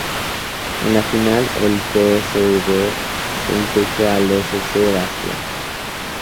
En la final, el P. S. V. se impuso al S. C. Bastia.